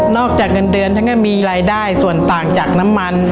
จากเงินเดือนฉันก็มีรายได้ส่วนต่างจากน้ำมัน